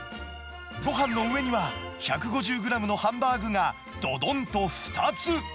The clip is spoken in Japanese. ごはんの上には、１５０グラムのハンバーグがどどんと２つ。